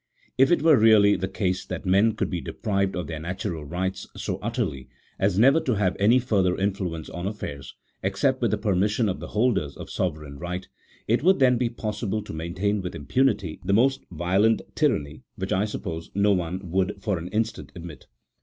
If it were really the case that men could be deprived of their natural rights so utterly as never to have any further influence on affairs, 1 except with the permission of the holders of sovereign right, it would then be possible to maintain with impunity 1 See Note 29. CH.4.P. XVII.] OF THE HEBREW THEOCRACY. 215 the most violent tyranny, which, I suppose, no one would for an instant admit.